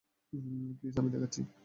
Chris, আমি দেখাচ্ছি।